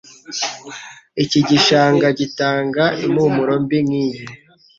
Iki gishanga gitanga impumuro mbi nkiyi